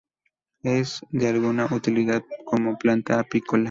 Es de alguna utilidad como planta apícola.